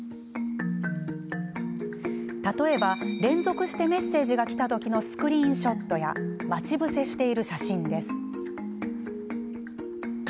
例えば、連続してメッセージがきた時のスクリーンショットや待ち伏せしている写真です。